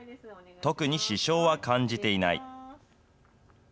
特に支障は感じていない。